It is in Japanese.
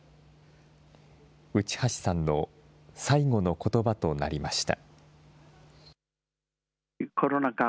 内橋さんの最後のことばとなりました。